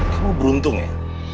kamu beruntung ya